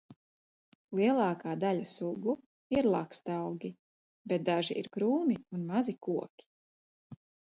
Lielākā daļa sugu ir lakstaugi, bet daži ir krūmi un mazi koki.